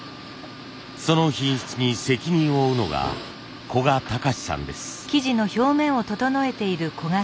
その品質に責任を負うのが古賀隆さんです。